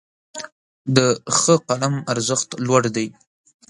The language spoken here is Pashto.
د ښه قلم ارزښت لوړ دی.